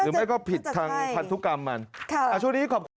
น่าจะใช่ค่ะช่วงนี้ขอบคุณครับ